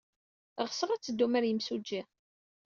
Ɣseɣ ad teddum ɣer yimsujji.